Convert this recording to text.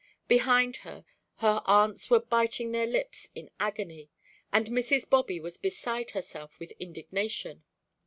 Behind her, her aunts were biting their lips in agony and Mrs. Bobby was beside herself with indignation.